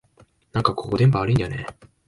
なんかここ、電波悪いんだよねえ